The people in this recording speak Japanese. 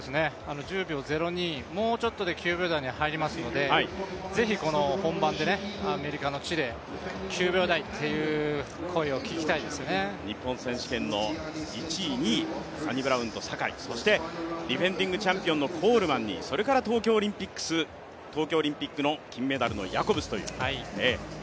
１０秒０２、もうちょっと９秒台に入りますので是非、本番でアメリカの地で９秒台っていう声を聞きたいですね日本選手権の１位、２位サニブラウンと坂井、そしてディフェンディングチャンピオンのコールマンにそれから東京オリンピックの金メダルのヤコブスという。